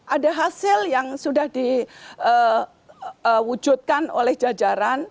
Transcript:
ada hasil yang sudah diwujudkan oleh jajaran